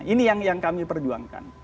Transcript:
ini yang kami perjuangkan